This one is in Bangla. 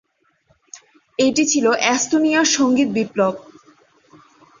এটি ছিল এস্তোনিয়ার "সঙ্গীত বিপ্লব"।